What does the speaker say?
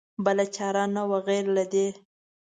بله چاره نه وه غیر له دې.